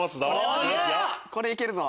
これいけるぞ！